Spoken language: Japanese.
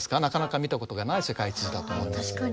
なかなか見たことがない世界地図だと思います。